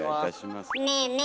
ねえねえ